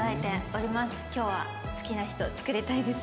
今日は好きな人を作りたいです。